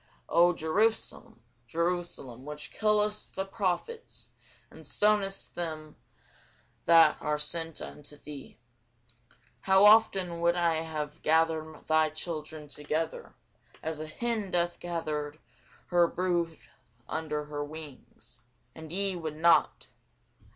O Jerusalem, Jerusalem, which killest the prophets, and stonest them that are sent unto thee; how often would I have gathered thy children together, as a hen doth gather her brood under her wings, and ye would not!